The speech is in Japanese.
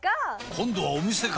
今度はお店か！